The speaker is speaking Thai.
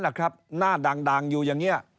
หน้าด่างอยู่อย่างนี้